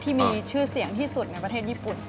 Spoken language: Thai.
ที่มีชื่อเสียงที่สุดในประเทศญี่ปุ่น